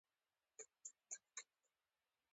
آیا او پایله نه ورکوي؟